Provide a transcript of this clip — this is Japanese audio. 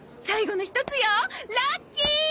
最後の１つよラッキー！